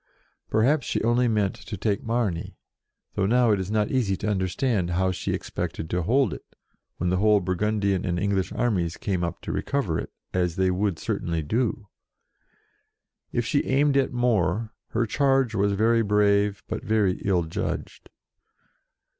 Perhaps she only meant to take Margny; though it is not easy to understand how she expected to hold it, when the whole Burgundian and English armies came up to recover it, as they would certainly do. If she aimed at more, her charge was very brave, but very ill judged.